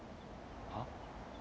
はっ？